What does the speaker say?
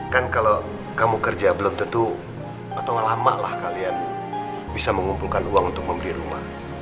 kan kalau kamu kerja belum tentu atau lama lah kalian bisa mengumpulkan uang untuk membeli rumah